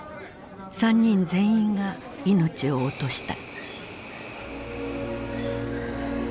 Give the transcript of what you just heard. ３人全員が命を落とした。